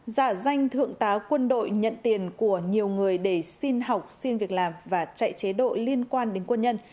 giả danh thượng tá quân đội nhận tiền của nhiều người để xin học xin việc làm và chạy chế độ liên quan đến quân nhân